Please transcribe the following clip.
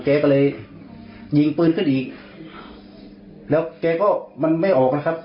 แกก็เลยยิงปืนขึ้นอีกแล้วแกก็มันไม่ออกนะครับ